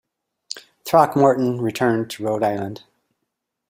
Throckmorton returned to Rhode Island.